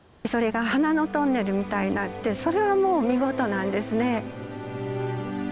それが花のトンネルみたいになってそれはもう見事なんですね。